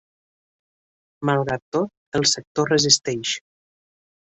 Malgrat tot, el sector resisteix.